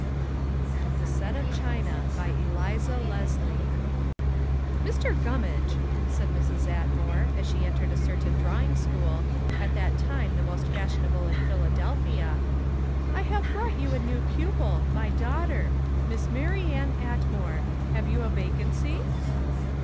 THE SET OF CHINA BY ELIZA LESLIE "Mr. Gummage," said Mrs. Atmore, as she entered a certain drawing school, at that time the most fashionable in Philadelphia, "I have brought you a new pupil, my daughter, Miss Marianne Atmore. Have you a vacancy?"